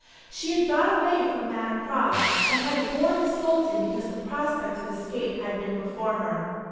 She had got away from Manor Cross, and had borne the scolding because the prospect of escape had been before her.